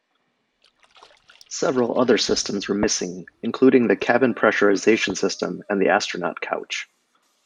Several other systems were missing including the cabin pressurization system and the astronaut couch.